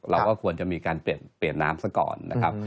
เราก็ควรจะมีการเปลี่ยนน้ำซะก่อนนะครับ